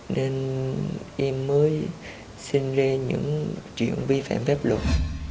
nên em mới xin lê những chuyện vi phạm phép luật